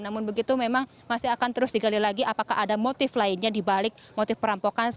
namun begitu memang masih akan terus digali lagi apakah ada motif lainnya dibalik motif perampokan